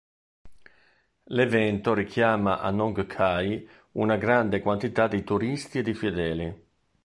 L'evento richiama a Nong Khai una grande quantità di turisti e di fedeli.